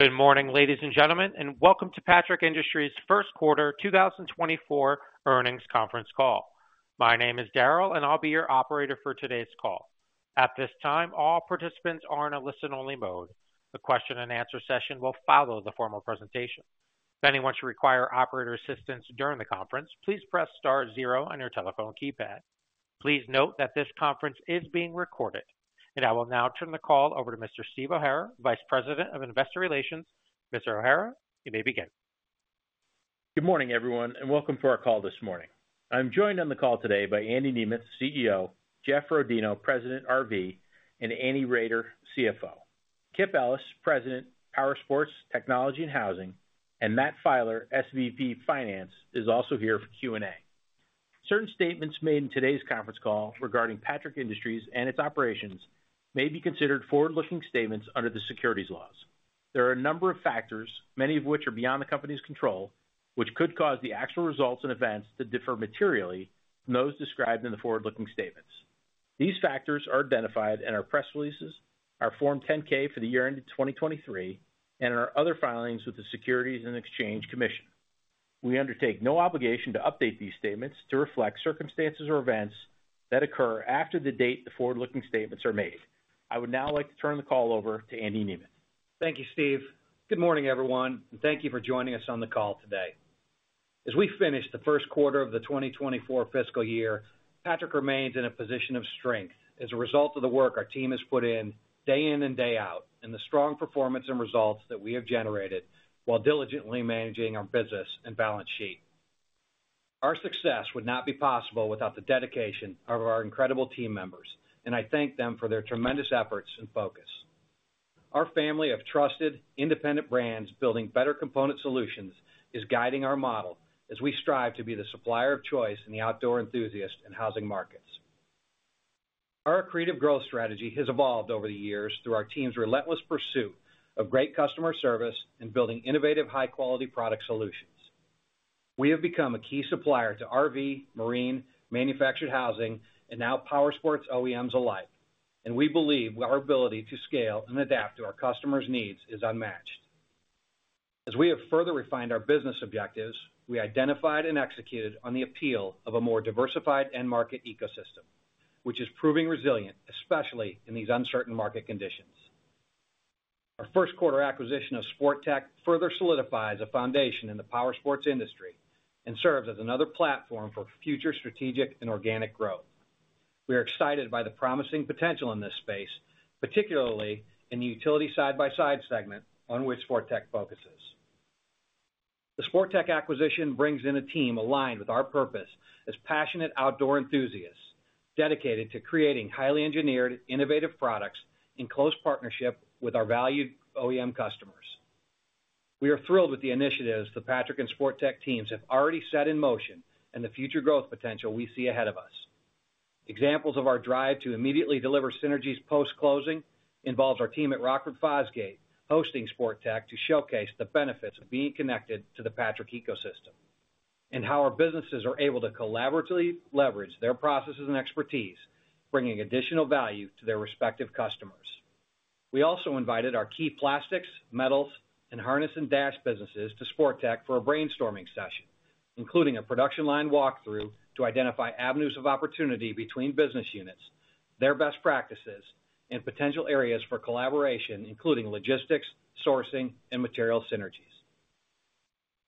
Good morning, ladies and gentlemen, and welcome to Patrick Industries' Q1 2024 Earnings Conference Call. My name is Daryl, and I'll be your operator for today's call. At this time, all participants are in a listen-only mode. The question-and-answer session will follow the formal presentation. If anyone should require operator assistance during the conference, please press star zero on your telephone keypad. Please note that this conference is being recorded, and I will now turn the call over to Mr. Steve O'Hara, Vice President of Investor Relations. Mr. O'Hara, you may begin. Good morning, everyone, and welcome to our call this morning. I'm joined on the call today by Andy Nemeth, CEO; Jeff Rodino, President RV; and Andy Roeder, CFO. Kip Ellis, President, Powersports, Technology, and Housing; and Matt Filer, SVP Finance, is also here for Q&A. Certain statements made in today's conference call regarding Patrick Industries and its operations may be considered forward-looking statements under the securities laws. There are a number of factors, many of which are beyond the company's control, which could cause the actual results and events to differ materially from those described in the forward-looking statements. These factors are identified in our press releases, our Form 10-K for the year ended 2023, and in our other filings with the Securities and Exchange Commission. We undertake no obligation to update these statements to reflect circumstances or events that occur after the date the forward-looking statements are made. I would now like to turn the call over to Andy Nemeth. Thank you, Steve. Good morning, everyone, and thank you for joining us on the call today. As we finish the Q1 of the 2024 fiscal year, Patrick remains in a position of strength as a result of the work our team has put in day in and day out and the strong performance and results that we have generated while diligently managing our business and balance sheet. Our success would not be possible without the dedication of our incredible team members, and I thank them for their tremendous efforts and focus. Our family of trusted, independent brands building better component solutions is guiding our model as we strive to be the supplier of choice in the outdoor enthusiast and housing markets. Our creative growth strategy has evolved over the years through our team's relentless pursuit of great customer service and building innovative, high-quality product solutions. We have become a key supplier to RV, marine, manufactured housing, and now Powersports OEMs alike, and we believe our ability to scale and adapt to our customers' needs is unmatched. As we have further refined our business objectives, we identified and executed on the appeal of a more diversified end-market ecosystem, which is proving resilient, especially in these uncertain market conditions. Our first-quarter acquisition of Sportech further solidifies a foundation in the Powersports industry and serves as another platform for future strategic and organic growth. We are excited by the promising potential in this space, particularly in the utility side-by-side segment on which Sportech focuses. The Sportech acquisition brings in a team aligned with our purpose as passionate outdoor enthusiasts dedicated to creating highly engineered, innovative products in close partnership with our valued OEM customers. We are thrilled with the initiatives the Patrick and Sportech teams have already set in motion and the future growth potential we see ahead of us. Examples of our drive to immediately deliver synergies post-closing involve our team at Rockford Fosgate hosting Sportech to showcase the benefits of being connected to the Patrick ecosystem and how our businesses are able to collaboratively leverage their processes and expertise, bringing additional value to their respective customers. We also invited our key plastics, metals, and harness and dash businesses to Sportech for a brainstorming session, including a production line walkthrough to identify avenues of opportunity between business units, their best practices, and potential areas for collaboration, including logistics, sourcing, and material synergies.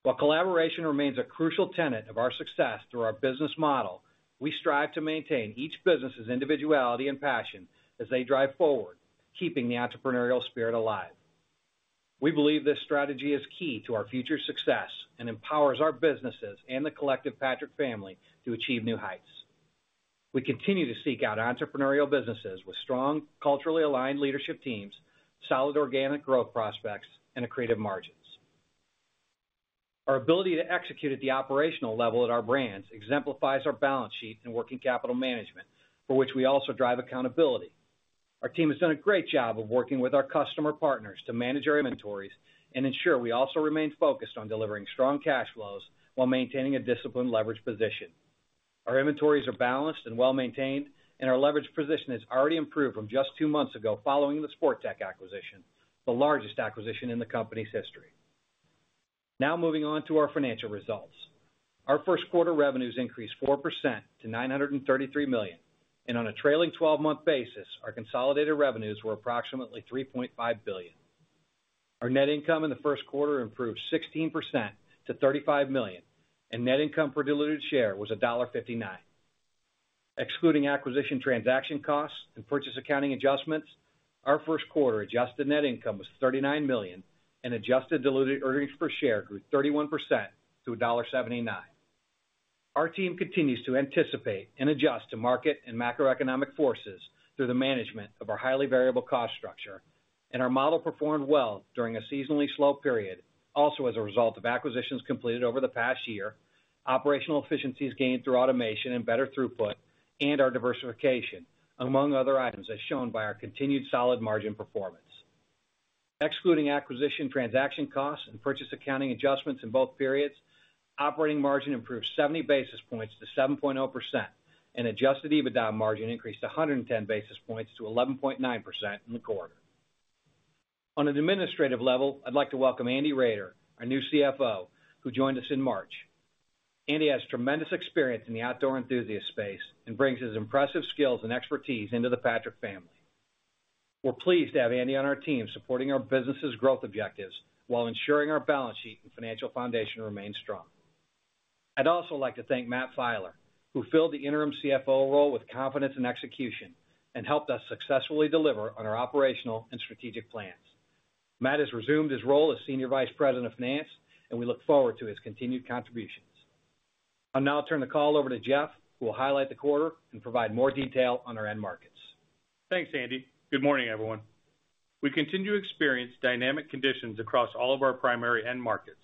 While collaboration remains a crucial tenet of our success through our business model, we strive to maintain each business's individuality and passion as they drive forward, keeping the entrepreneurial spirit alive. We believe this strategy is key to our future success and empowers our businesses and the collective Patrick family to achieve new heights. We continue to seek out entrepreneurial businesses with strong, culturally aligned leadership teams, solid organic growth prospects, and creative margins. Our ability to execute at the operational level at our brands exemplifies our balance sheet and working capital management, for which we also drive accountability. Our team has done a great job of working with our customer partners to manage our inventories and ensure we also remain focused on delivering strong cash flows while maintaining a disciplined leveraged position. Our inventories are balanced and well-maintained, and our leveraged position has already improved from just two months ago following the Sportech acquisition, the largest acquisition in the company's history. Now moving on to our financial results. Our first-quarter revenues increased 4% to $933 million, and on a trailing 12-month basis, our consolidated revenues were approximately $3.5 billion. Our net income in the Q1 improved 16% to $35 million, and net income per diluted share was $1.59. Excluding acquisition transaction costs and purchase accounting adjustments, our first-quarter adjusted net income was $39 million, and adjusted diluted earnings per share grew 31% to $1.79. Our team continues to anticipate and adjust to market and macroeconomic forces through the management of our highly variable cost structure, and our model performed well during a seasonally slow period, also as a result of acquisitions completed over the past year, operational efficiencies gained through automation and better throughput, and our diversification, among other items as shown by our continued solid margin performance. Excluding acquisition transaction costs and purchase accounting adjustments in both periods, operating margin improved 70 basis points to 7.0%, and Adjusted EBITDA margin increased 110 basis points to 11.9% in the quarter. On an administrative level, I'd like to welcome Andy Roeder, our new CFO, who joined us in March. Andy has tremendous experience in the outdoor enthusiast space and brings his impressive skills and expertise into the Patrick family. We're pleased to have Andy on our team supporting our business's growth objectives while ensuring our balance sheet and financial foundation remain strong. I'd also like to thank Matt Filer, who filled the interim CFO role with confidence and execution and helped us successfully deliver on our operational and strategic plans. Matt has resumed his role as Senior Vice President of Finance, and we look forward to his continued contributions. I'll now turn the call over to Jeff, who will highlight the quarter and provide more detail on our end markets. Thanks, Andy. Good morning, everyone. We continue to experience dynamic conditions across all of our primary end markets.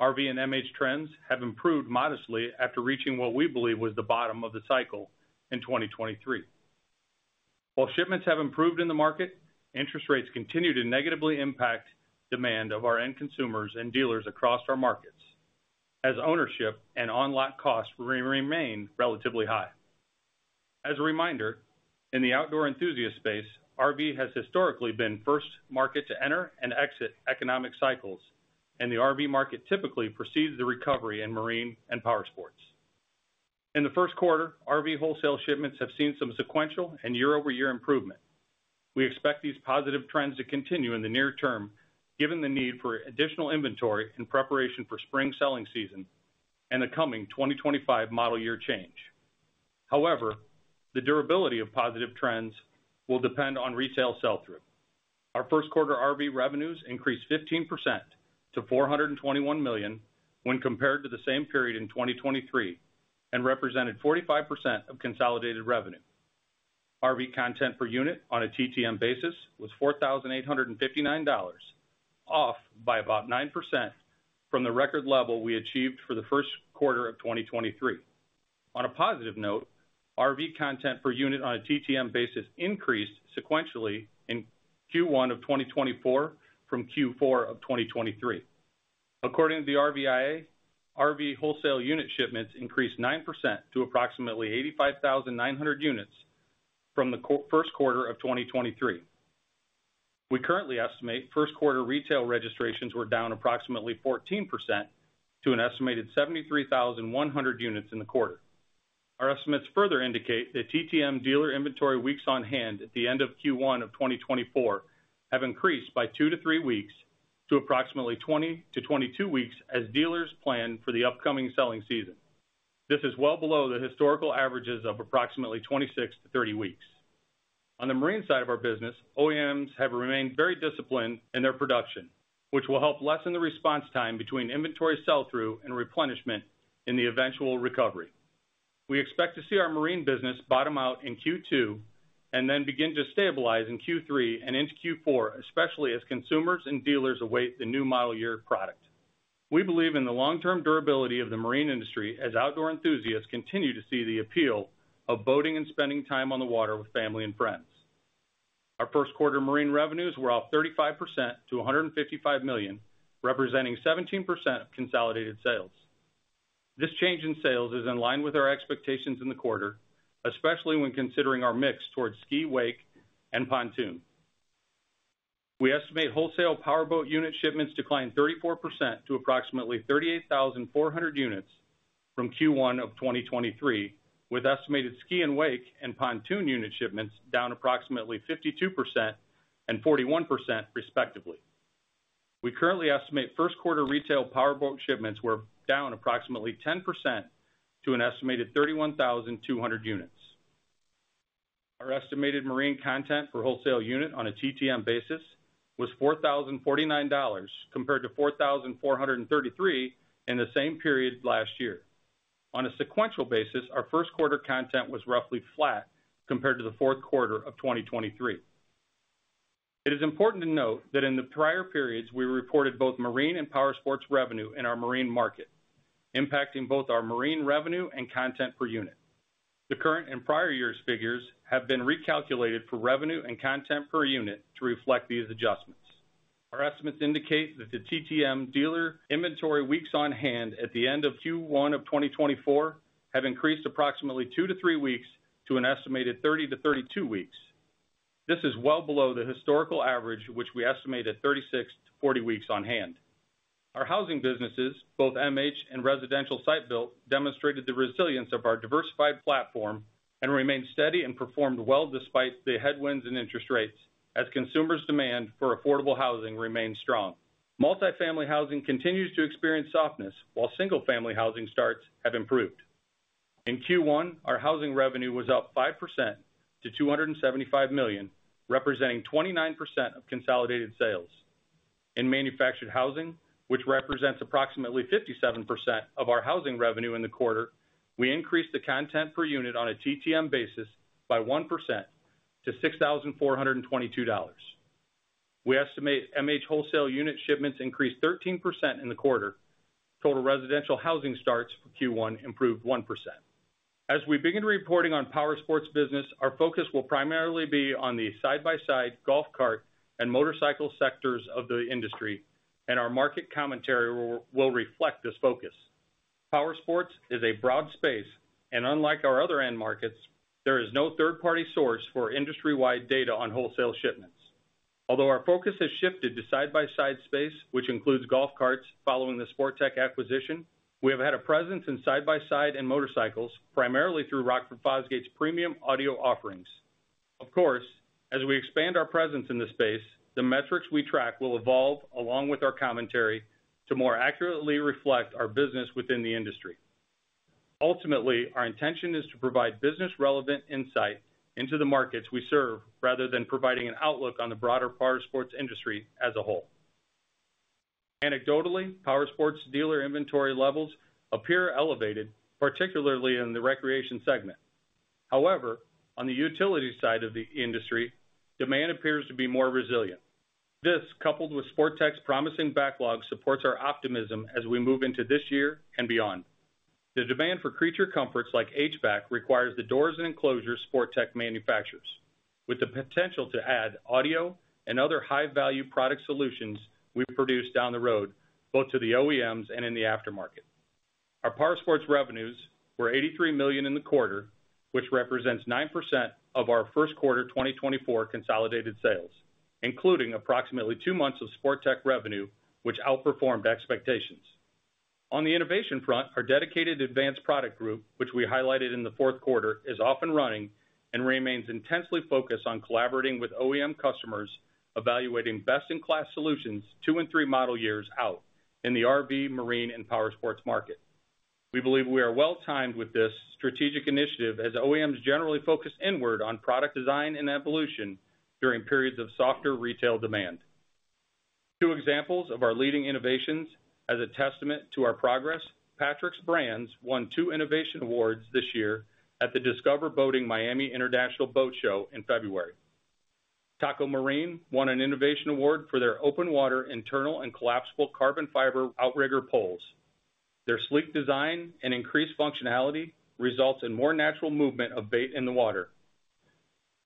RV and MH trends have improved modestly after reaching what we believe was the bottom of the cycle in 2023. While shipments have improved in the market, interest rates continue to negatively impact demand of our end consumers and dealers across our markets, as ownership and on-lot costs remain relatively high. As a reminder, in the outdoor enthusiast space, RV has historically been first market to enter and exit economic cycles, and the RV market typically precedes the recovery in marine and Powersports. In the Q1, RV wholesale shipments have seen some sequential and year-over-year improvement. We expect these positive trends to continue in the near term given the need for additional inventory in preparation for spring selling season and the coming 2025 model year change. However, the durability of positive trends will depend on retail sell-through. Our first-quarter RV revenues increased 15% to $421 million when compared to the same period in 2023 and represented 45% of consolidated revenue. RV content per unit on a TTM basis was $4,859, off by about 9% from the record level we achieved for the Q1 of 2023. On a positive note, RV content per unit on a TTM basis increased sequentially in Q1 of 2024 from Q4 of 2023. According to the RVIA, RV wholesale unit shipments increased 9% to approximately 85,900 units from the Q1 of 2023. We currently estimate first-quarter retail registrations were down approximately 14% to an estimated 73,100 units in the quarter. Our estimates further indicate that TTM dealer inventory weeks on hand at the end of Q1 of 2024 have increased by 2-3 weeks to approximately 20-22 weeks as dealers plan for the upcoming selling season. This is well below the historical averages of approximately 26-30 weeks. On the marine side of our business, OEMs have remained very disciplined in their production, which will help lessen the response time between inventory sell-through and replenishment in the eventual recovery. We expect to see our marine business bottom out in Q2 and then begin to stabilize in Q3 and into Q4, especially as consumers and dealers await the new model year product. We believe in the long-term durability of the marine industry as outdoor enthusiasts continue to see the appeal of boating and spending time on the water with family and friends. Our first-quarter marine revenues were up 35% to $155 million, representing 17% of consolidated sales. This change in sales is in line with our expectations in the quarter, especially when considering our mix towards ski/wake and pontoon. We estimate wholesale powerboat unit shipments declined 34% to approximately 38,400 units from Q1 of 2023, with estimated ski and wake and pontoon unit shipments down approximately 52% and 41%, respectively. We currently estimate first-quarter retail powerboat shipments were down approximately 10% to an estimated 31,200 units. Our estimated marine content per wholesale unit on a TTM basis was $4,049 compared to $4,433 in the same period last year. On a sequential basis, our first-quarter content was roughly flat compared to the Q4 of 2023. It is important to note that in the prior periods we reported both marine and Powersports revenue in our marine market, impacting both our marine revenue and content per unit. The current and prior year's figures have been recalculated for revenue and content per unit to reflect these adjustments. Our estimates indicate that the TTM dealer inventory weeks on hand at the end of Q1 of 2024 have increased approximately 2-3 weeks to an estimated 30-32 weeks. This is well below the historical average, which we estimate at 36-40 weeks on hand. Our housing businesses, both MH and residential site-built, demonstrated the resilience of our diversified platform and remained steady and performed well despite the headwinds and interest rates, as consumers' demand for affordable housing remains strong. Multifamily housing continues to experience softness while single-family housing starts have improved. In Q1, our housing revenue was up 5% to $275 million, representing 29% of consolidated sales. In manufactured housing, which represents approximately 57% of our housing revenue in the quarter, we increased the content per unit on a TTM basis by 1% to $6,422. We estimate MH wholesale unit shipments increased 13% in the quarter. Total residential housing starts for Q1 improved 1%. As we begin reporting on Powersports business, our focus will primarily be on the side-by-side, golf cart, and motorcycle sectors of the industry, and our market commentary will reflect this focus. Powersports is a broad space, and unlike our other end markets, there is no third-party source for industry-wide data on wholesale shipments. Although our focus has shifted to side-by-side space, which includes golf carts following the Sportech acquisition, we have had a presence in side-by-side and motorcycles, primarily through Rockford Fosgate's premium audio offerings. Of course, as we expand our presence in the space, the metrics we track will evolve along with our commentary to more accurately reflect our business within the industry. Ultimately, our intention is to provide business-relevant insight into the markets we serve rather than providing an outlook on the broader Powersports industry as a whole. Anecdotally, Powersports dealer inventory levels appear elevated, particularly in the recreation segment. However, on the utility side of the industry, demand appears to be more resilient. This, coupled with Sportech's promising backlog, supports our optimism as we move into this year and beyond. The demand for creature comforts like HVAC requires the doors and enclosures Sportech manufactures, with the potential to add audio and other high-value product solutions we produce down the road, both to the OEMs and in the aftermarket. Our Powersports revenues were $83 million in the quarter, which represents 9% of our first-quarter 2024 consolidated sales, including approximately two months of Sportech revenue, which outperformed expectations. On the innovation front, our dedicated Advanced Products Group, which we highlighted in the Q4, is off and running and remains intensely focused on collaborating with OEM customers, evaluating best-in-class solutions two and three model years out in the RV, marine, and Powersports market. We believe we are well-timed with this strategic initiative as OEMs generally focus inward on product design and evolution during periods of softer retail demand. Two examples of our leading innovations, as a testament to our progress, Patrick's brands won two Innovation Awards this year at the Discover Boating Miami International Boat Show in February. TACO Marine won an Innovation Award for their Open Water Internal and Collapsible Carbon Fiber Outrigger Poles. Their sleek design and increased functionality results in more natural movement of bait in the water.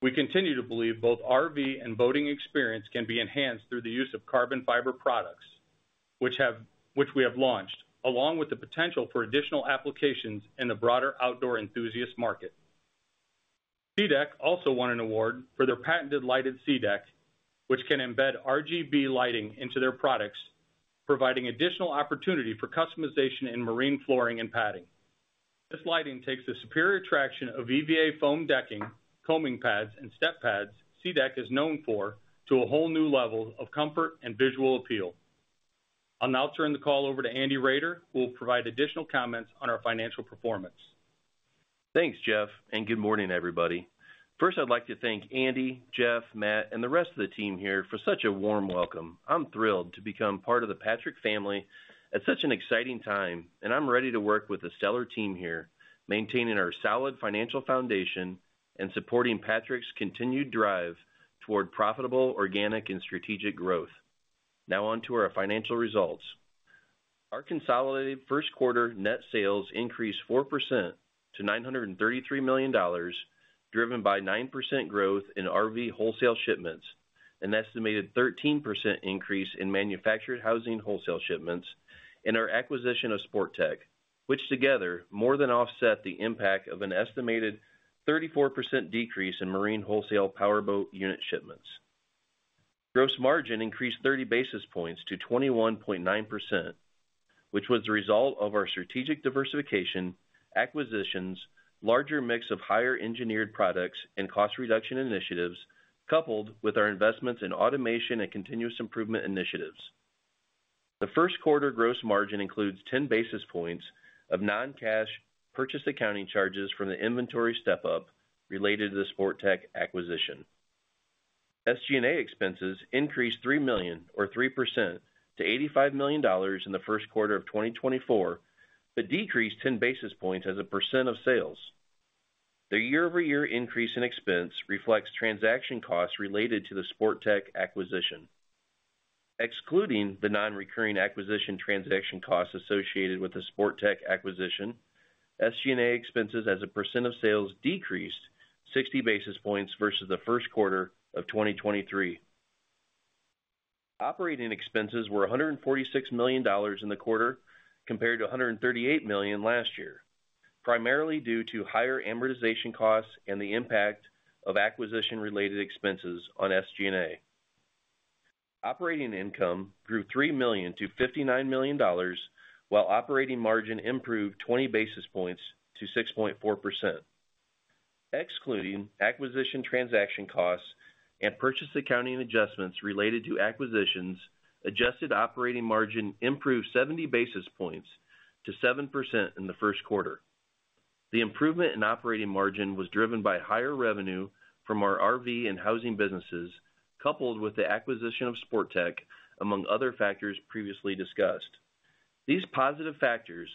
We continue to believe both RV and boating experience can be enhanced through the use of carbon fiber products, which we have launched, along with the potential for additional applications in the broader outdoor enthusiast market. SeaDek also won an award for their patented Lighted SeaDek, which can embed RGB lighting into their products, providing additional opportunity for customization in marine flooring and padding. This lighting takes the superior traction of EVA foam decking, coaming pads, and step pads, SeaDek is known for to a whole new level of comfort and visual appeal. I'll now turn the call over to Andy Roeder, who will provide additional comments on our financial performance. Thanks, Jeff, and good morning, everybody. First, I'd like to thank Andy, Jeff, Matt, and the rest of the team here for such a warm welcome. I'm thrilled to become part of the Patrick family at such an exciting time, and I'm ready to work with a stellar team here, maintaining our solid financial foundation and supporting Patrick's continued drive toward profitable, organic, and strategic growth. Now on to our financial results. Our consolidated first-quarter net sales increased 4% to $933 million, driven by 9% growth in RV wholesale shipments, an estimated 13% increase in manufactured housing wholesale shipments, and our acquisition of Sportech, which together more than offset the impact of an estimated 34% decrease in marine wholesale powerboat unit shipments. Gross margin increased 30 basis points to 21.9%, which was the result of our strategic diversification, acquisitions, larger mix of higher-engineered products, and cost-reduction initiatives, coupled with our investments in automation and continuous improvement initiatives. The first-quarter gross margin includes 10 basis points of non-cash purchase accounting charges from the inventory step-up related to the Sportech acquisition. SG&A expenses increased $3 million, or 3%, to $85 million in the Q1 of 2024, but decreased 10 basis points as a percent of sales. The year-over-year increase in expense reflects transaction costs related to the Sportech acquisition. Excluding the non-recurring acquisition transaction costs associated with the Sportech acquisition, SG&A expenses as a percent of sales decreased 60 basis points versus the Q1 of 2023. Operating expenses were $146 million in the quarter compared to $138 million last year, primarily due to higher amortization costs and the impact of acquisition-related expenses on SG&A. Operating income grew $3 million to $59 million, while operating margin improved 20 basis points to 6.4%. Excluding acquisition transaction costs and purchase accounting adjustments related to acquisitions, adjusted operating margin improved 70 basis points to 7% in the Q1. The improvement in operating margin was driven by higher revenue from our RV and housing businesses, coupled with the acquisition of Sportech, among other factors previously discussed. These positive factors,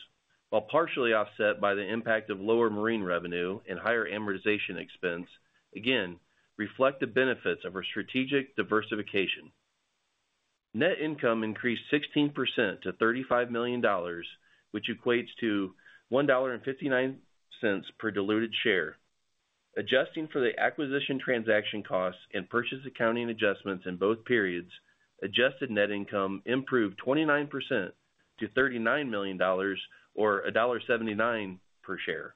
while partially offset by the impact of lower marine revenue and higher amortization expense, again, reflect the benefits of our strategic diversification. Net income increased 16% to $35 million, which equates to $1.59 per diluted share. Adjusting for the acquisition transaction costs and purchase accounting adjustments in both periods, adjusted net income improved 29% to $39 million, or $1.79 per share.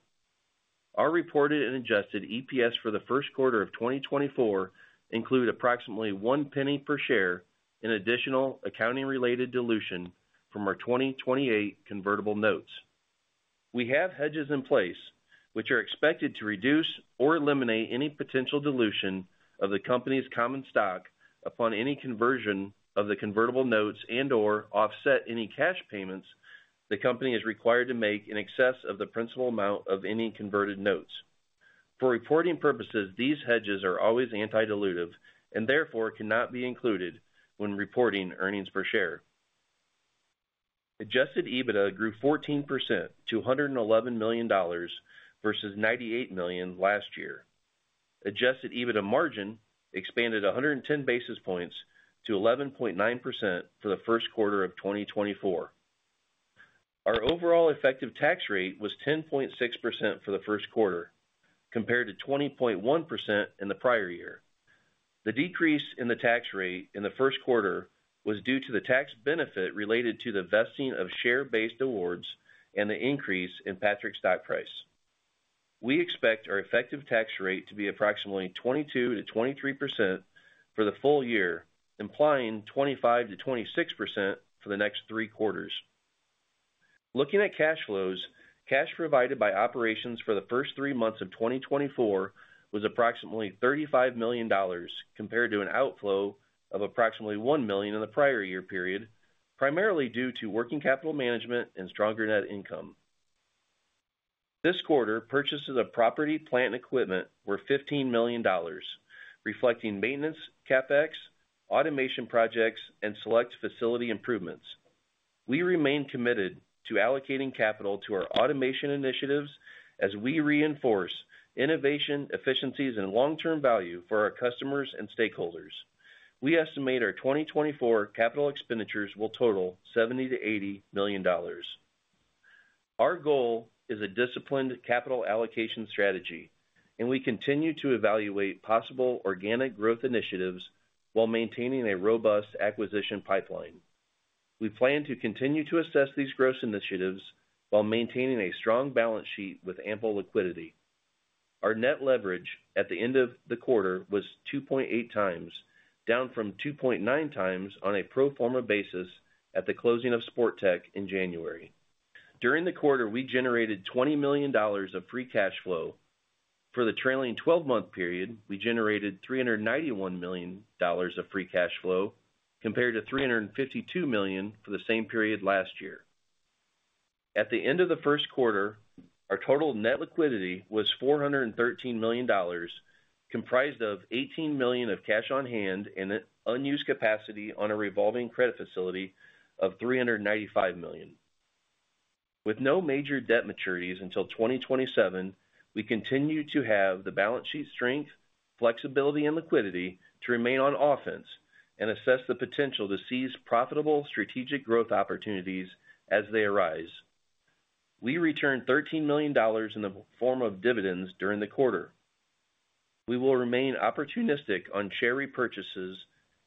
Our reported and adjusted EPS for the Q1 of 2024 includes approximately $0.01 per share in additional accounting-related dilution from our 2028 convertible notes. We have hedges in place, which are expected to reduce or eliminate any potential dilution of the company's common stock upon any conversion of the convertible notes and/or offset any cash payments the company is required to make in excess of the principal amount of any converted notes. For reporting purposes, these hedges are always anti-dilutive and therefore cannot be included when reporting earnings per share. Adjusted EBITDA grew 14% to $111 million versus $98 million last year. Adjusted EBITDA margin expanded 110 basis points to 11.9% for the Q1 of 2024. Our overall effective tax rate was 10.6% for the Q1, compared to 20.1% in the prior year. The decrease in the tax rate in the Q1 was due to the tax benefit related to the vesting of share-based awards and the increase in Patrick's stock price. We expect our effective tax rate to be approximately 22%-23% for the full year, implying 25%-26% for the next three quarters. Looking at cash flows, cash provided by operations for the first three months of 2024 was approximately $35 million compared to an outflow of approximately $1 million in the prior year period, primarily due to working capital management and stronger net income. This quarter, purchases of property, plant, and equipment were $15 million, reflecting maintenance CapEx, automation projects, and select facility improvements. We remain committed to allocating capital to our automation initiatives as we reinforce innovation, efficiencies, and long-term value for our customers and stakeholders. We estimate our 2024 capital expenditures will total $70-$80 million. Our goal is a disciplined capital allocation strategy, and we continue to evaluate possible organic growth initiatives while maintaining a robust acquisition pipeline. We plan to continue to assess these growth initiatives while maintaining a strong balance sheet with ample liquidity. Our net leverage at the end of the quarter was 2.8 times, down from 2.9 times on a pro forma basis at the closing of Sportech in January. During the quarter, we generated $20 million of free cash flow. For the trailing 12-month period, we generated $391 million of free cash flow, compared to $352 million for the same period last year. At the end of the Q1, our total net liquidity was $413 million, comprised of $18 million of cash on hand and unused capacity on a revolving credit facility of $395 million. With no major debt maturities until 2027, we continue to have the balance sheet strength, flexibility, and liquidity to remain on offense and assess the potential to seize profitable strategic growth opportunities as they arise. We returned $13 million in the form of dividends during the quarter. We will remain opportunistic on share repurchases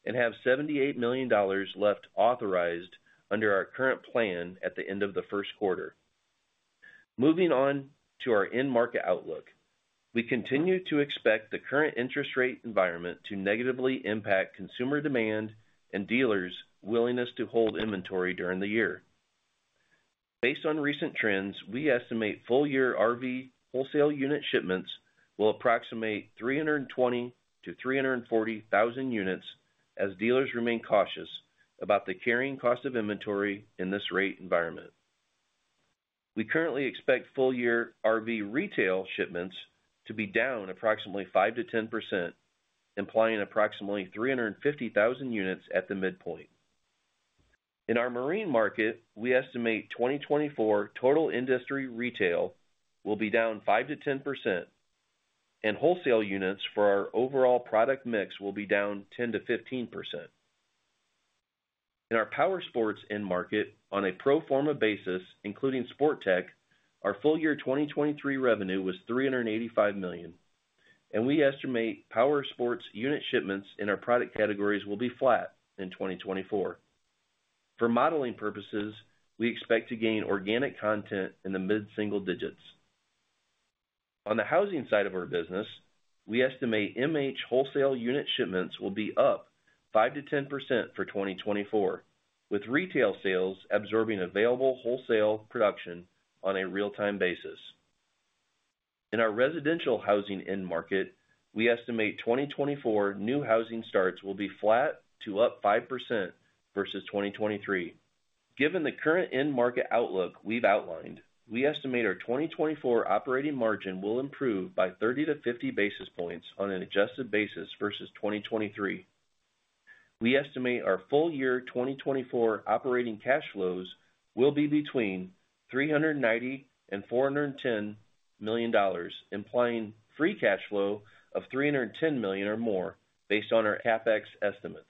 and have $78 million left authorized under our current plan at the end of the Q1. Moving on to our end-market outlook, we continue to expect the current interest rate environment to negatively impact consumer demand and dealers' willingness to hold inventory during the year. Based on recent trends, we estimate full-year RV wholesale unit shipments will approximate 320,000-340,000 units as dealers remain cautious about the carrying cost of inventory in this rate environment. We currently expect full-year RV retail shipments to be down approximately 5%-10%, implying approximately 350,000 units at the midpoint. In our marine market, we estimate 2024 total industry retail will be down 5%-10%, and wholesale units for our overall product mix will be down 10%-15%. In our Powersports end-market, on a pro forma basis, including Sportech, our full-year 2023 revenue was $385 million, and we estimate Powersports unit shipments in our product categories will be flat in 2024. For modeling purposes, we expect to gain organic content in the mid-single digits. On the housing side of our business, we estimate MH wholesale unit shipments will be up 5%-10% for 2024, with retail sales absorbing available wholesale production on a real-time basis. In our residential housing end-market, we estimate 2024 new housing starts will be flat to up 5% versus 2023. Given the current end-market outlook we've outlined, we estimate our 2024 operating margin will improve by 30 to 50 basis points on an adjusted basis versus 2023. We estimate our full-year 2024 operating cash flows will be between $390-$410 million, implying free cash flow of $310 million or more based on our CapEx estimates.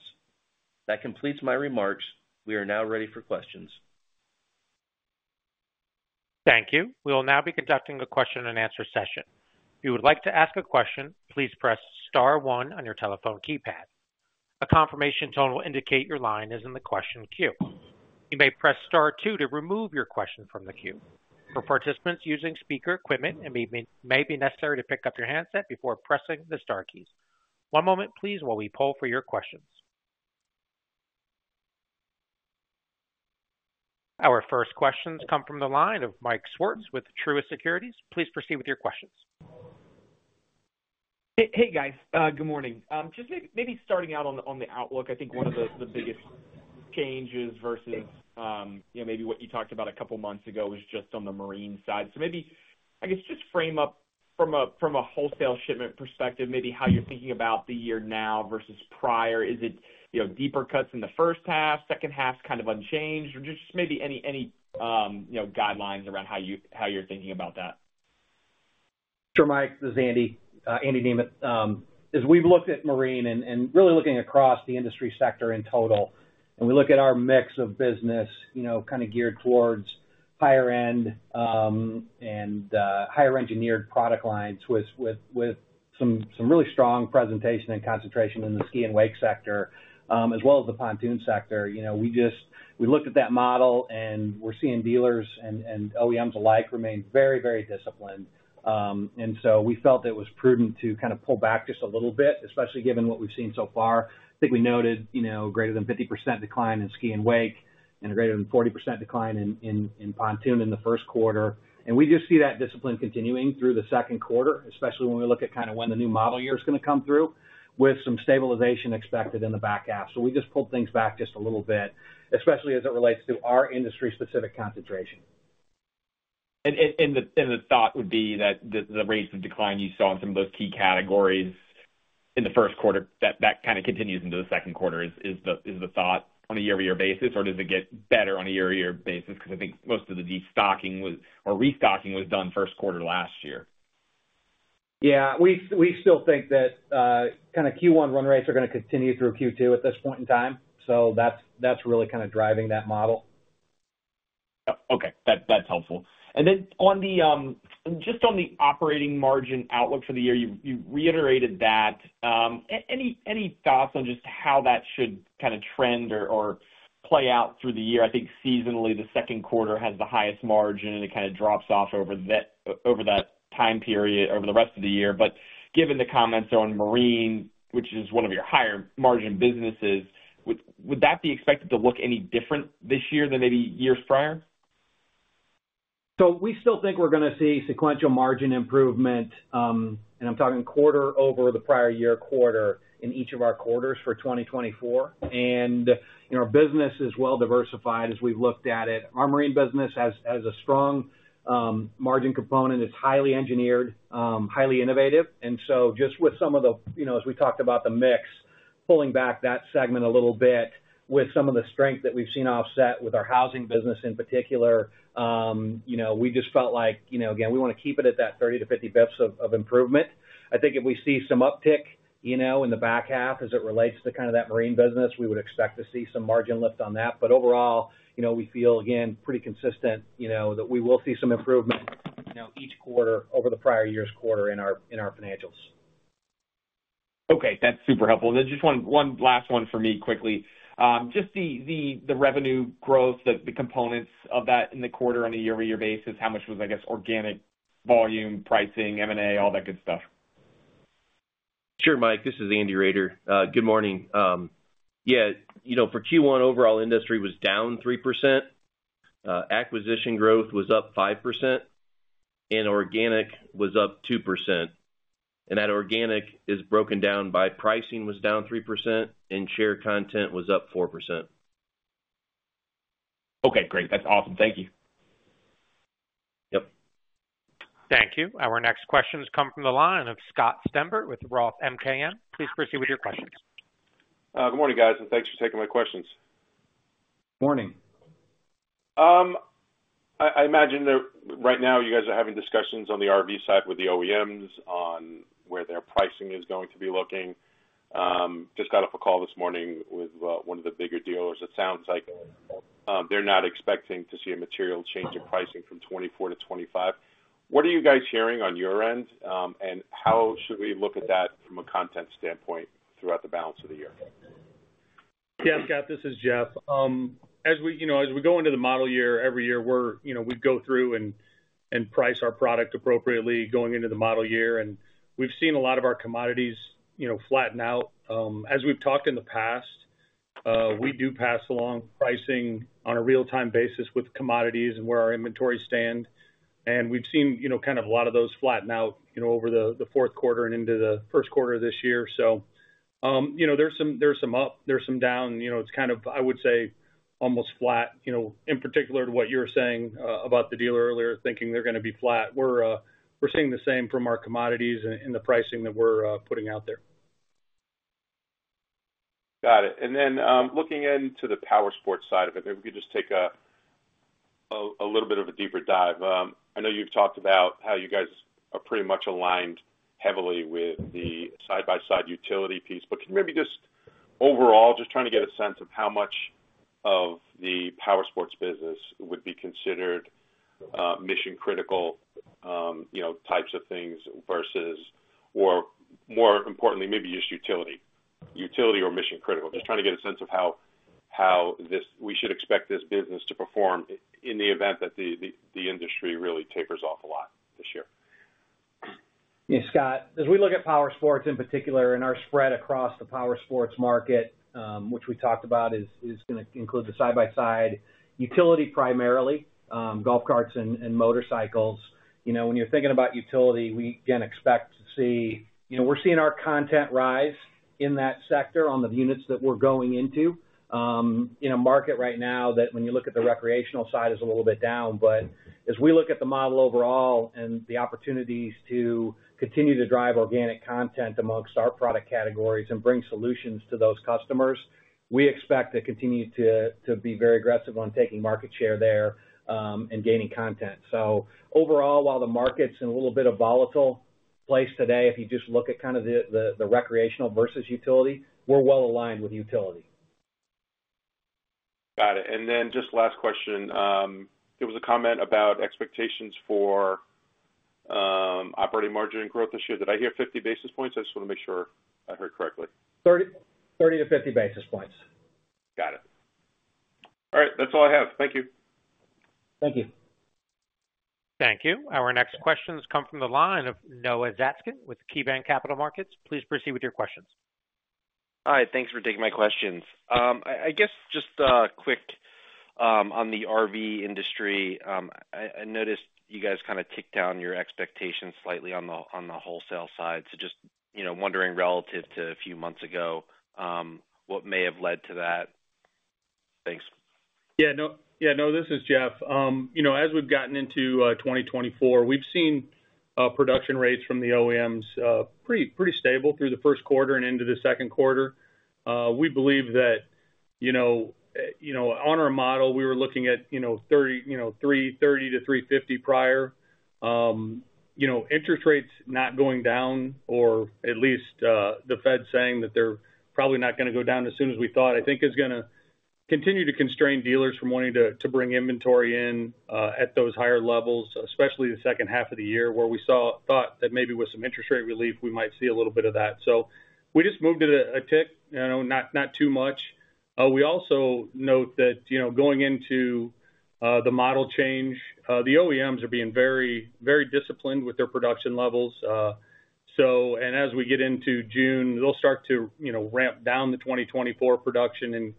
That completes my remarks. We are now ready for questions. Thank you. We will now be conducting a question-and-answer session. If you would like to ask a question, please press star one on your telephone keypad. A confirmation tone will indicate your line is in the question queue. You may press star two to remove your question from the queue. For participants using speaker equipment, it may be necessary to pick up your handset before pressing the star keys. One moment, please, while we poll for your questions. Our first questions come from the line of Mike Swartz with Truist Securities. Please proceed with your questions. Hey, guys. Good morning. Just maybe starting out on the outlook, I think one of the biggest changes versus maybe what you talked about a couple months ago was just on the marine side. So maybe, I guess, just frame up from a wholesale shipment perspective, maybe how you're thinking about the year now versus prior. Is it deeper cuts in the H1, H2 kind of unchanged, or just maybe any guidelines around how you're thinking about that? Sure, Mike. This is Andy Nemeth. As we've looked at marine and really looking across the industry sector in total, and we look at our mix of business kind of geared towards higher-end and higher-engineered product lines with some really strong presentation and concentration in the ski and wake sector, as well as the pontoon sector, we looked at that model, and we're seeing dealers and OEMs alike remain very, very disciplined. And so we felt it was prudent to kind of pull back just a little bit, especially given what we've seen so far. I think we noted greater than 50% decline in ski and wake and greater than 40% decline in pontoon in the Q1. We just see that discipline continuing through the Q2, especially when we look at kind of when the new model year is going to come through, with some stabilization expected in the back half. We just pulled things back just a little bit, especially as it relates to our industry-specific concentration. The thought would be that the rates of decline you saw in some of those key categories in the Q1, that kind of continues into the Q2, is the thought on a year-over-year basis, or does it get better on a year-over-year basis? Because I think most of the restocking was done Q1 last year. Yeah. We still think that kind of Q1 run rates are going to continue through Q2 at this point in time. So that's really kind of driving that model. Okay. That's helpful. And then just on the operating margin outlook for the year, you reiterated that. Any thoughts on just how that should kind of trend or play out through the year? I think seasonally, the Q2 has the highest margin, and it kind of drops off over that time period, over the rest of the year. But given the comments on marine, which is one of your higher-margin businesses, would that be expected to look any different this year than maybe years prior? So we still think we're going to see sequential margin improvement, and I'm talking quarter over the prior year quarter in each of our quarters for 2024. Our business is well-diversified as we've looked at it. Our marine business has a strong margin component. It's highly engineered, highly innovative. And so just with some of the as we talked about the mix, pulling back that segment a little bit with some of the strength that we've seen offset with our housing business in particular, we just felt like, again, we want to keep it at that 30-50 basis points of improvement. I think if we see some uptick in the back half as it relates to kind of that marine business, we would expect to see some margin lift on that. Overall, we feel, again, pretty consistent that we will see some improvement each quarter over the prior year's quarter in our financials. Okay. That's super helpful. And then just one last one for me quickly. Just the revenue growth, the components of that in the quarter on a year-over-year basis, how much was, I guess, organic volume, pricing, M&A, all that good stuff? Sure, Mike. This is Andy Roeder. Good morning. Yeah. For Q1, overall industry was down 3%. Acquisition growth was up 5%, and organic was up 2%. And that organic is broken down by pricing was down 3%, and share content was up 4%. Okay. Great. That's awesome. Thank you. Yep. Thank you. Our next questions come from the line of Scott Stember with Roth MKM. Please proceed with your questions. Good morning, guys, and thanks for taking my questions. Morning. I imagine that right now, you guys are having discussions on the RV side with the OEMs on where their pricing is going to be looking. Just got off a call this morning with one of the bigger dealers. It sounds like they're not expecting to see a material change in pricing from 2024 to 2025. What are you guys hearing on your end, and how should we look at that from a content standpoint throughout the balance of the year? Yeah, Scott. This is Jeff. As we go into the model year, every year, we go through and price our product appropriately going into the model year. We've seen a lot of our commodities flatten out. As we've talked in the past, we do pass along pricing on a real-time basis with commodities and where our inventory stands. We've seen kind of a lot of those flatten out over the Q4 and into the Q1 of this year. So there's some up. There's some down. It's kind of, I would say, almost flat. In particular, to what you were saying about the dealer earlier, thinking they're going to be flat, we're seeing the same from our commodities and the pricing that we're putting out there. Got it. And then looking into the Powersports side of it, maybe we could just take a little bit of a deeper dive. I know you've talked about how you guys are pretty much aligned heavily with the side-by-side utility piece, but can you maybe just overall, just trying to get a sense of how much of the Powersports business would be considered mission-critical types of things versus, or more importantly, maybe just utility or mission-critical? Just trying to get a sense of how we should expect this business to perform in the event that the industry really tapers off a lot this year? Yeah, Scott. As we look at Powersports in particular and our spread across the Powersports market, which we talked about is going to include the side-by-side, utility primarily, golf carts and motorcycles. When you're thinking about utility, we, again, expect to see we're seeing our content rise in that sector on the units that we're going into. In a market right now that when you look at the recreational side is a little bit down. But as we look at the model overall and the opportunities to continue to drive organic content among our product categories and bring solutions to those customers, we expect to continue to be very aggressive on taking market share there and gaining content. So overall, while the market's in a little bit of volatile place today, if you just look at kind of the recreational versus utility, we're well aligned with utility. Got it. And then just last question. There was a comment about expectations for operating margin and growth this year. Did I hear 50 basis points? I just want to make sure I heard correctly. 30-50 basis points. Got it. All right. That's all I have. Thank you. Thank you. Thank you. Our next questions come from the line of Noah Zatzkin with KeyBank Capital Markets. Please proceed with your questions. Hi. Thanks for taking my questions. I guess just quick on the RV industry, I noticed you guys kind of ticked down your expectations slightly on the wholesale side. So just wondering relative to a few months ago, what may have led to that? Thanks. Yeah. No, this is Jeff. As we've gotten into 2024, we've seen production rates from the OEMs pretty stable through the Q1 and into the Q2. We believe that on our model, we were looking at 30-350 prior. Interest rates not going down, or at least the Fed saying that they're probably not going to go down as soon as we thought, I think is going to continue to constrain dealers from wanting to bring inventory in at those higher levels, especially the H2 of the year where we thought that maybe with some interest rate relief, we might see a little bit of that. So we just moved it a tick, not too much. We also note that going into the model change, the OEMs are being very disciplined with their production levels. As we get into June, they'll start to ramp down the 2024 production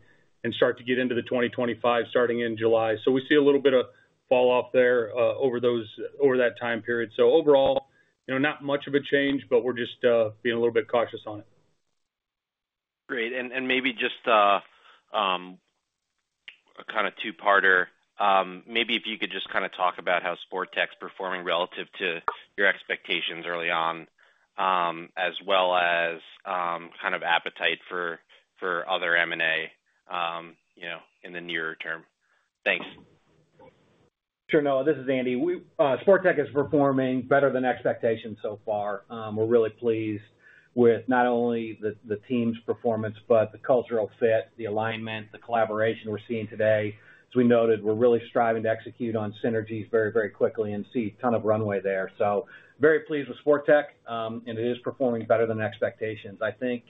and start to get into the 2025 starting in July. We see a little bit of falloff there over that time period. Overall, not much of a change, but we're just being a little bit cautious on it. Great. Maybe just kind of two-parter, maybe if you could just kind of talk about how Sportech's performing relative to your expectations early on, as well as kind of appetite for other M&A in the nearer term. Thanks. Sure, Noah. This is Andy. Sportech is performing better than expectations so far. We're really pleased with not only the team's performance, but the cultural fit, the alignment, the collaboration we're seeing today. As we noted, we're really striving to execute on synergies very, very quickly and see a ton of runway there. So very pleased with Sportech, and it is performing better than expectations. I think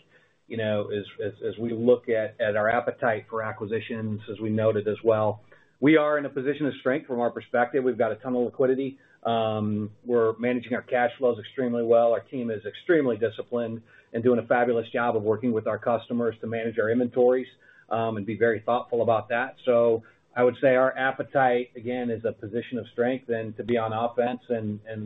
as we look at our appetite for acquisitions, as we noted as well, we are in a position of strength from our perspective. We've got a ton of liquidity. We're managing our cash flows extremely well. Our team is extremely disciplined and doing a fabulous job of working with our customers to manage our inventories and be very thoughtful about that. So I would say our appetite, again, is a position of strength than to be on offense.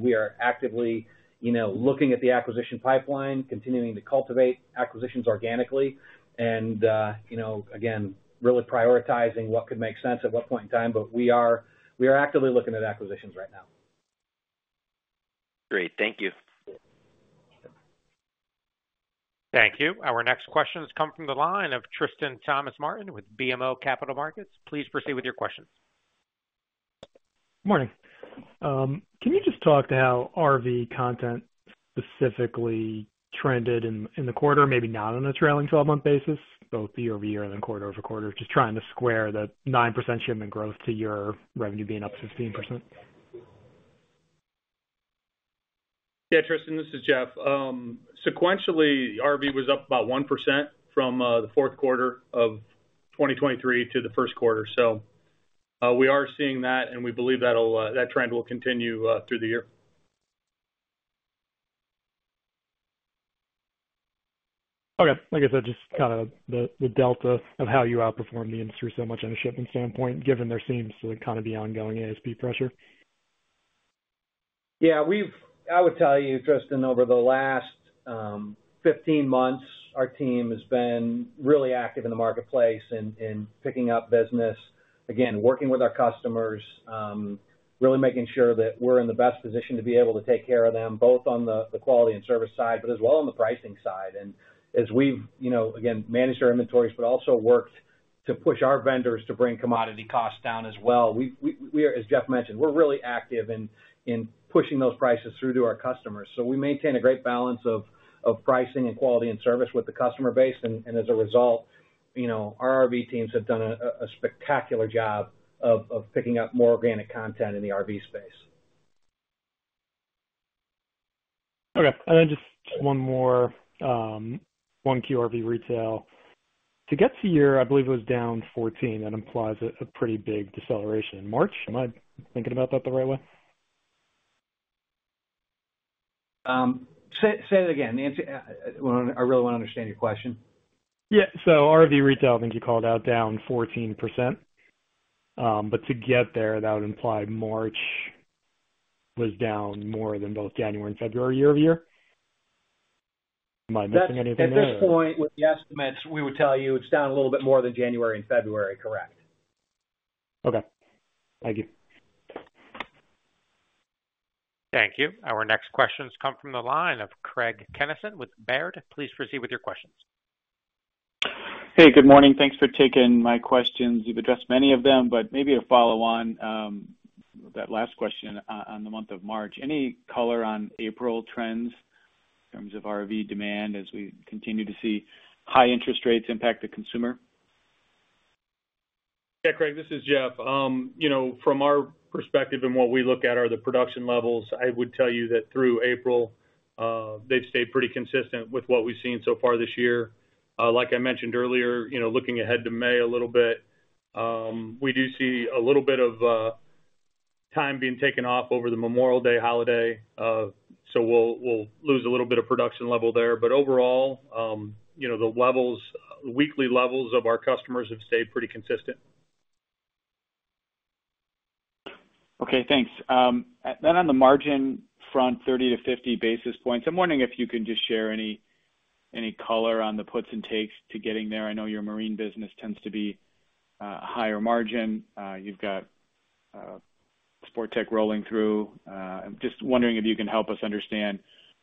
We are actively looking at the acquisition pipeline, continuing to cultivate acquisitions organically, and again, really prioritizing what could make sense at what point in time. But we are actively looking at acquisitions right now. Great. Thank you. Thank you. Our next questions come from the line of Tristan Thomas-Martin with BMO Capital Markets. Please proceed with your questions. Morning. Can you just talk to how RV content specifically trended in the quarter, maybe not on a trailing 12-month basis, both year-over-year and then quarter-over-quarter, just trying to square the 9% shipment growth to your revenue being up 15%? Yeah, Tristan. This is Jeff. Sequentially, RV was up about 1% from the Q4 of 2023 to the Q1. So we are seeing that, and we believe that trend will continue through the year. Okay. Like I said, just kind of the delta of how you outperform the industry so much on a shipment standpoint, given there seems to kind of be ongoing ASP pressure. Yeah. I would tell you, Tristan, over the last 15 months, our team has been really active in the marketplace in picking up business, again, working with our customers, really making sure that we're in the best position to be able to take care of them, both on the quality and service side, but as well on the pricing side. And as we've, again, managed our inventories, but also worked to push our vendors to bring commodity costs down as well, as Jeff mentioned, we're really active in pushing those prices through to our customers. So we maintain a great balance of pricing and quality and service with the customer base. And as a result, our RV teams have done a spectacular job of picking up more organic content in the RV space. Okay. And then just one more, one RV retail. To get to year, I believe it was down 14%. That implies a pretty big deceleration. March? Am I thinking about that the right way? Say it again. I really want to understand your question. Yeah. So RV retail, I think you called out, down 14%. But to get there, that would imply March was down more than both January and February year-over-year. Am I missing anything there? At this point, with the estimates, we would tell you it's down a little bit more than January and February, correct? Okay. Thank you. Thank you. Our next questions come from the line of Craig Kennison with Baird. Please proceed with your questions. Hey. Good morning. Thanks for taking my questions. You've addressed many of them, but maybe to follow on that last question on the month of March, any color on April trends in terms of RV demand as we continue to see high interest rates impact the consumer? Yeah, Craig. This is Jeff. From our perspective and what we look at are the production levels. I would tell you that through April, they've stayed pretty consistent with what we've seen so far this year. Like I mentioned earlier, looking ahead to May a little bit, we do see a little bit of time being taken off over the Memorial Day holiday. So we'll lose a little bit of production level there. But overall, the weekly levels of our customers have stayed pretty consistent. Okay. Thanks. Then on the margin front, 30-50 basis points, I'm wondering if you can just share any color on the puts and takes to getting there. I know your marine business tends to be a higher margin. You've got Sportech rolling through. I'm just wondering if you can help us understand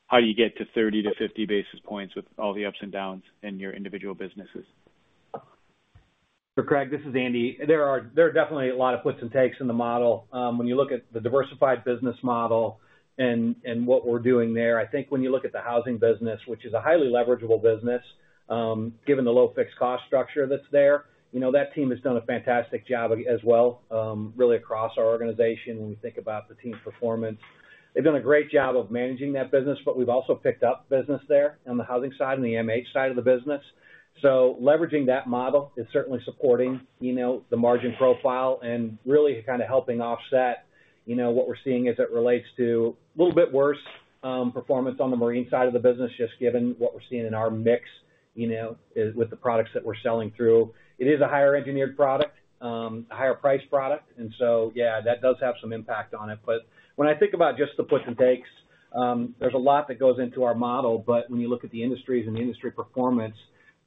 how do you get to 30-50 basis points with all the ups and downs in your individual businesses? Sure, Craig. This is Andy. There are definitely a lot of puts and takes in the model. When you look at the diversified business model and what we're doing there, I think when you look at the housing business, which is a highly leverageable business, given the low fixed cost structure that's there, that team has done a fantastic job as well really across our organization when we think about the team's performance. They've done a great job of managing that business, but we've also picked up business there on the housing side and the MH side of the business. So leveraging that model is certainly supporting the margin profile and really kind of helping offset what we're seeing as it relates to a little bit worse performance on the marine side of the business, just given what we're seeing in our mix with the products that we're selling through. It is a higher-engineered product, a higher-priced product. And so, yeah, that does have some impact on it. But when I think about just the puts and takes, there's a lot that goes into our model. But when you look at the industries and the industry performance,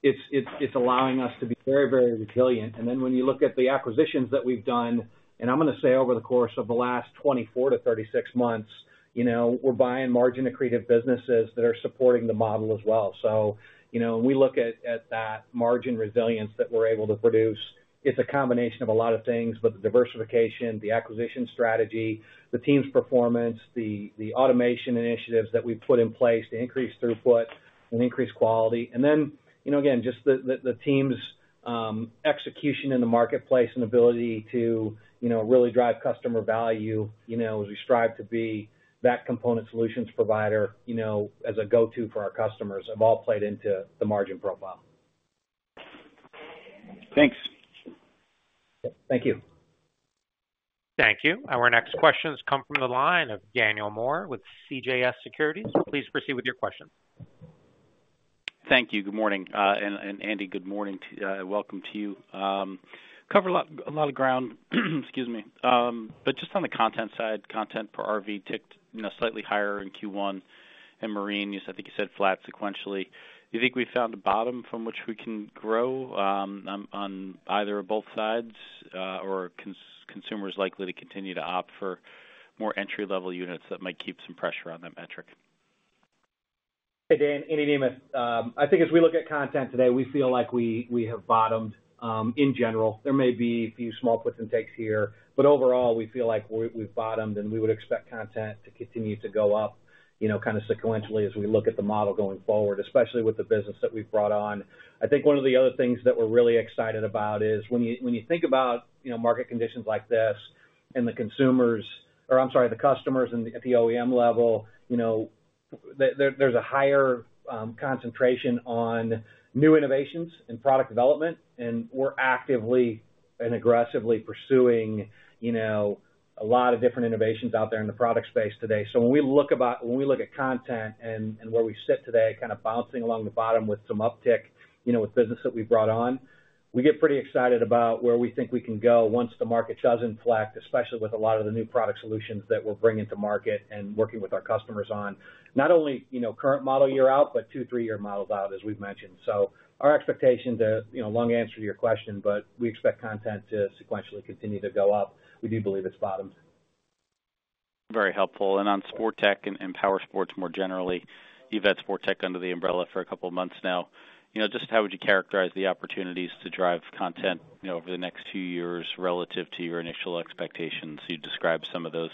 it's allowing us to be very, very resilient. And then when you look at the acquisitions that we've done, and I'm going to say over the course of the last 24-36 months, we're buying margin-accretive businesses that are supporting the model as well. So when we look at that margin resilience that we're able to produce, it's a combination of a lot of things, but the diversification, the acquisition strategy, the team's performance, the automation initiatives that we've put in place to increase throughput and increase quality. Again, just the team's execution in the marketplace and ability to really drive customer value as we strive to be that component solutions provider as a go-to for our customers have all played into the margin profile. Thanks. Thank you. Thank you. Our next questions come from the line of Daniel Moore with CJS Securities. Please proceed with your questions. Thank you. Good morning. Andy, good morning. Welcome to you. Covered a lot of ground, excuse me. But just on the content side, content per RV ticked slightly higher in Q1 and marine. I think you said flat sequentially. Do you think we've found a bottom from which we can grow on either or both sides, or are consumers likely to continue to opt for more entry-level units that might keep some pressure on that metric? Hey, Dan. Andy Nemeth. I think as we look at content today, we feel like we have bottomed in general. There may be a few small puts and takes here, but overall, we feel like we've bottomed, and we would expect content to continue to go up kind of sequentially as we look at the model going forward, especially with the business that we've brought on. I think one of the other things that we're really excited about is when you think about market conditions like this and the consumers or I'm sorry, the customers at the OEM level, there's a higher concentration on new innovations and product development. And we're actively and aggressively pursuing a lot of different innovations out there in the product space today. So when we look at content and where we sit today, kind of bouncing along the bottom with some uptick with business that we've brought on, we get pretty excited about where we think we can go once the market shows inflection, especially with a lot of the new product solutions that we're bringing to market and working with our customers on, not only current model year out, but 2, 3-year models out, as we've mentioned. So our expectation to long answer to your question, but we expect content to sequentially continue to go up. We do believe it's bottomed. Very helpful. On Sportech and Powersports more generally, you've had Sportech under the umbrella for a couple of months now. Just how would you characterize the opportunities to drive content over the next few years relative to your initial expectations? You described some of those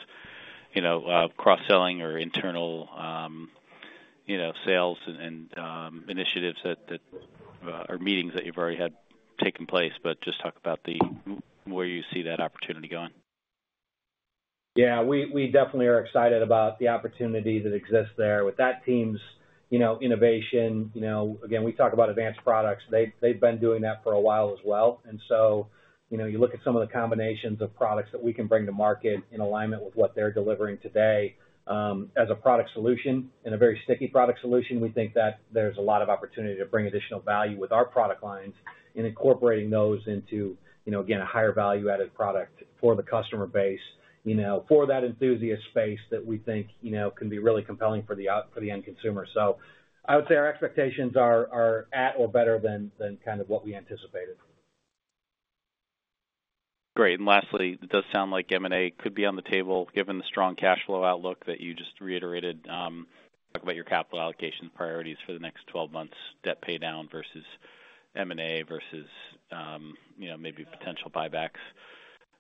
cross-selling or internal sales and initiatives or meetings that you've already had taken place, but just talk about where you see that opportunity going. Yeah. We definitely are excited about the opportunity that exists there with that team's innovation. Again, we talk about advanced products. They've been doing that for a while as well. And so you look at some of the combinations of products that we can bring to market in alignment with what they're delivering today as a product solution, in a very sticky product solution, we think that there's a lot of opportunity to bring additional value with our product lines and incorporating those into, again, a higher value-added product for the customer base, for that enthusiast space that we think can be really compelling for the end consumer. So I would say our expectations are at or better than kind of what we anticipated. Great. And lastly, it does sound like M&A could be on the table given the strong cash flow outlook that you just reiterated. Talk about your capital allocation priorities for the next 12 months, debt paydown versus M&A versus maybe potential buybacks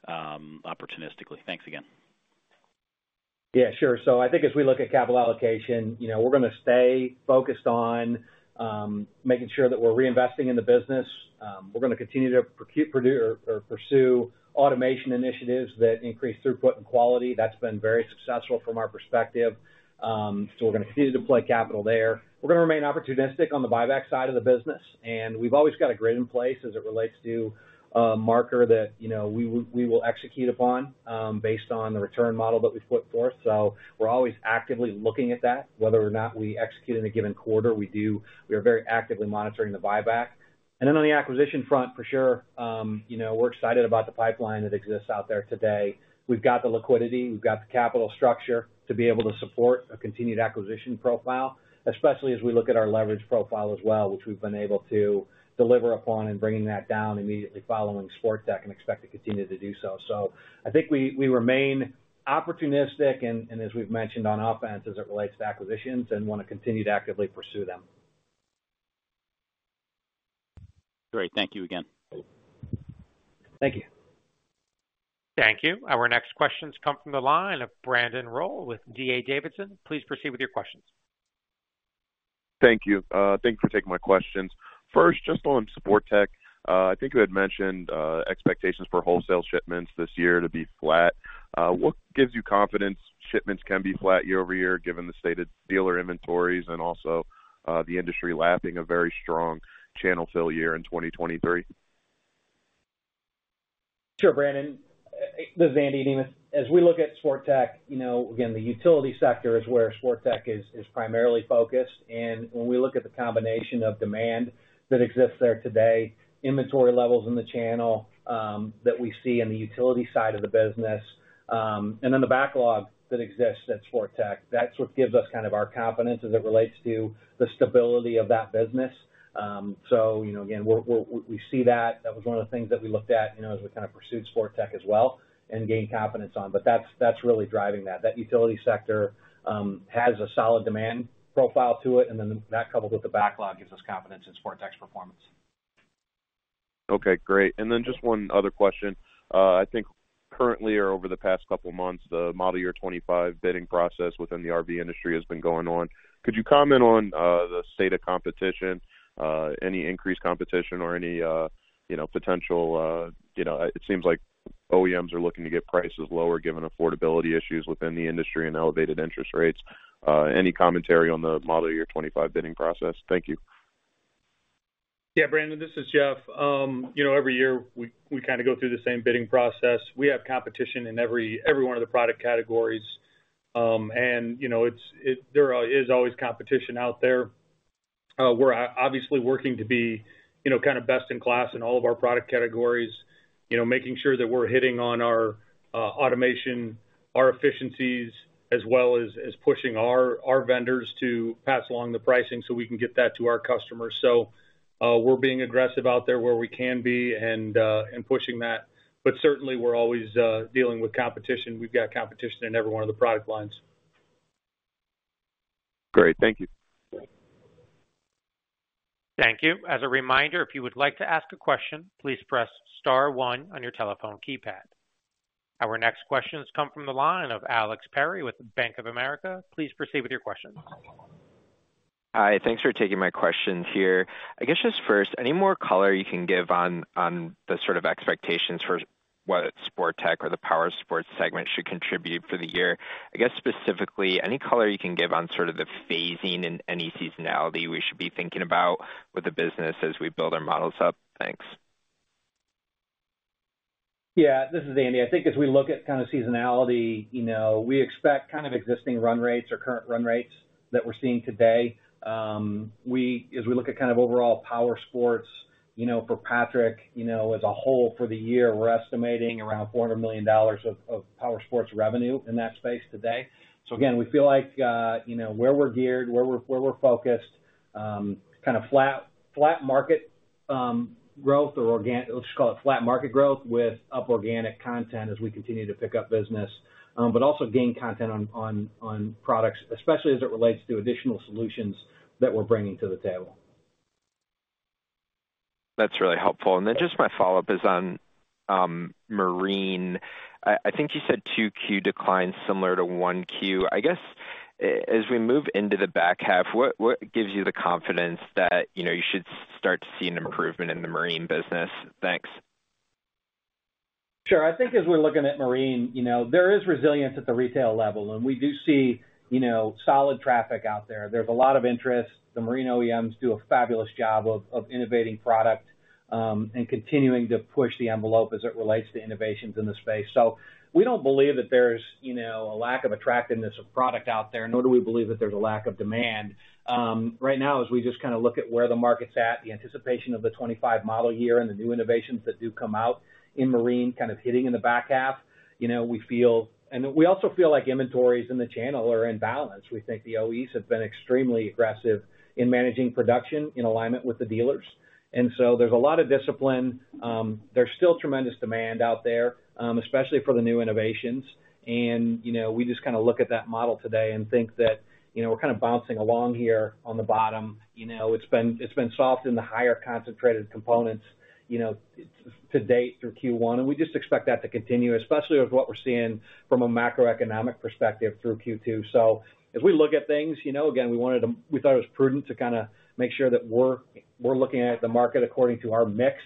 opportunistically. Thanks again. Yeah. Sure. So I think as we look at capital allocation, we're going to stay focused on making sure that we're reinvesting in the business. We're going to continue to pursue automation initiatives that increase throughput and quality. That's been very successful from our perspective. So we're going to continue to deploy capital there. We're going to remain opportunistic on the buyback side of the business. And we've always got a grid in place as it relates to a market that we will execute upon based on the return model that we've put forth. So we're always actively looking at that. Whether or not we execute in a given quarter, we are very actively monitoring the buyback. And then on the acquisition front, for sure, we're excited about the pipeline that exists out there today. We've got the liquidity. We've got the capital structure to be able to support a continued acquisition profile, especially as we look at our leverage profile as well, which we've been able to deliver upon and bringing that down immediately following Sportech and expect to continue to do so. So I think we remain opportunistic, and as we've mentioned on offense as it relates to acquisitions, and want to continue to actively pursue them. Great. Thank you again. Thank you. Thank you. Our next questions come from the line of Brandon Rolle with D.A. Davidson. Please proceed with your questions. Thank you. Thank you for taking my questions. First, just on Sportech, I think you had mentioned expectations for wholesale shipments this year to be flat. What gives you confidence shipments can be flat year over year given the stated dealer inventories and also the industry lapping a very strong channel fill year in 2023? Sure, Brandon. This is Andy Nemeth. As we look at Sportech, again, the utility sector is where Sportech is primarily focused. When we look at the combination of demand that exists there today, inventory levels in the channel that we see in the utility side of the business, and then the backlog that exists at Sportech, that's what gives us kind of our confidence as it relates to the stability of that business. Again, we see that. That was one of the things that we looked at as we kind of pursued Sportech as well and gained confidence on. But that's really driving that. That utility sector has a solid demand profile to it, and then that coupled with the backlog gives us confidence in Sportech's performance. Okay. Great. And then just one other question. I think currently or over the past couple of months, the model year 2025 bidding process within the RV industry has been going on. Could you comment on the state of competition, any increased competition or any potential it seems like OEMs are looking to get prices lower given affordability issues within the industry and elevated interest rates. Any commentary on the model year 2025 bidding process? Thank you. Yeah, Brandon. This is Jeff. Every year, we kind of go through the same bidding process. We have competition in every one of the product categories, and there is always competition out there. We're obviously working to be kind of best in class in all of our product categories, making sure that we're hitting on our automation, our efficiencies, as well as pushing our vendors to pass along the pricing so we can get that to our customers. So we're being aggressive out there where we can be and pushing that. But certainly, we're always dealing with competition. We've got competition in every one of the product lines. Great. Thank you. Thank you. As a reminder, if you would like to ask a question, please press star one on your telephone keypad. Our next questions come from the line of Alex Perry with Bank of America. Please proceed with your questions. Hi. Thanks for taking my questions here. I guess just first, any more color you can give on the sort of expectations for what Sportech or the Powersports segment should contribute for the year? I guess specifically, any color you can give on sort of the phasing and any seasonality we should be thinking about with the business as we build our models up? Thanks. Yeah. This is Andy. I think as we look at kind of seasonality, we expect kind of existing run rates or current run rates that we're seeing today. As we look at kind of overall Powersports for Patrick as a whole for the year, we're estimating around $400 million of Powersports revenue in that space today. So again, we feel like where we're geared, where we're focused, kind of flat market growth or let's just call it flat market growth with up organic content as we continue to pick up business, but also gain content on products, especially as it relates to additional solutions that we're bringing to the table. That's really helpful. And then just my follow-up is on marine. I think you said 2Q declines similar to 1Q. I guess as we move into the back half, what gives you the confidence that you should start to see an improvement in the marine business? Thanks. Sure. I think as we're looking at marine, there is resilience at the retail level, and we do see solid traffic out there. There's a lot of interest. The marine OEMs do a fabulous job of innovating product and continuing to push the envelope as it relates to innovations in the space. So we don't believe that there's a lack of attractiveness of product out there, nor do we believe that there's a lack of demand. Right now, as we just kind of look at where the market's at, the anticipation of the 2025 model year and the new innovations that do come out in marine kind of hitting in the back half, we feel and we also feel like inventories in the channel are in balance. We think the OEs have been extremely aggressive in managing production in alignment with the dealers. And so there's a lot of discipline. There's still tremendous demand out there, especially for the new innovations. We just kind of look at that model today and think that we're kind of bouncing along here on the bottom. It's been soft in the higher concentrated components to date through Q1, and we just expect that to continue, especially with what we're seeing from a macroeconomic perspective through Q2. As we look at things, again, we wanted to we thought it was prudent to kind of make sure that we're looking at the market according to our mix.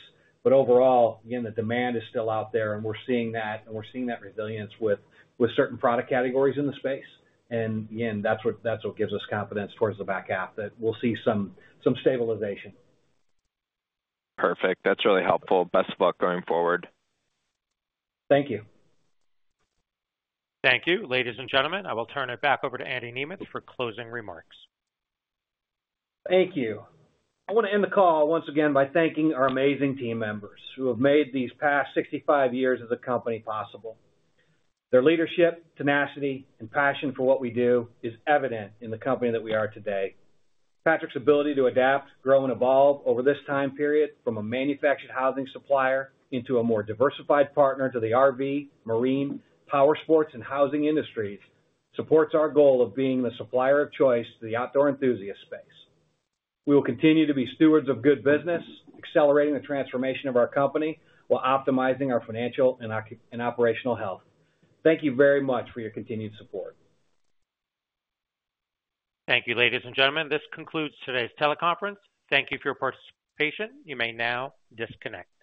Overall, again, the demand is still out there, and we're seeing that, and we're seeing that resilience with certain product categories in the space. Again, that's what gives us confidence towards the back half that we'll see some stabilization. Perfect. That's really helpful. Best of luck going forward. Thank you. Thank you, ladies and gentlemen. I will turn it back over to Andy Nemeth for closing remarks. Thank you. I want to end the call once again by thanking our amazing team members who have made these past 65 years as a company possible. Their leadership, tenacity, and passion for what we do is evident in the company that we are today. Patrick's ability to adapt, grow, and evolve over this time period from a manufactured housing supplier into a more diversified partner to the RV, marine, Powersports, and housing industries supports our goal of being the supplier of choice to the outdoor enthusiast space. We will continue to be stewards of good business, accelerating the transformation of our company while optimizing our financial and operational health. Thank you very much for your continued support. Thank you, ladies and gentlemen. This concludes today's teleconference. Thank you for your participation. You may now disconnect.